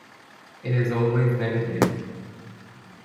It is always negative.